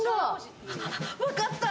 わかった。